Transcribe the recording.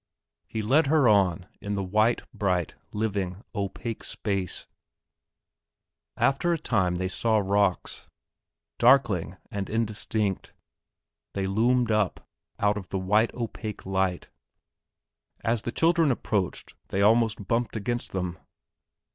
He led her on in the white, bright, living, opaque space. After a time they saw rocks. Darkling and indistinct they loomed up out of the white opaque light. As the children approached they almost bumped against them.